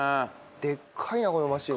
でっかいなこのマシン。